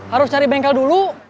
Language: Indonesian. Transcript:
harus cari bengkel dulu